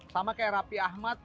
sama kayak rapi ahmad